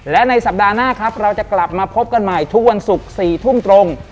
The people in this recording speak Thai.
และในสัปดาห์หน้าครับเราจะกลับมาพบกันใหม่ทุกวันศุกร์๔ทุ่มตรง